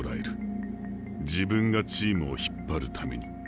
「自分がチームを引っ張るために」。